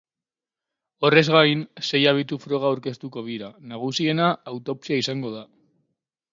Horrez gain, sei aditu-froga aurkeztuko dira, nagusiena, autopsia izango da.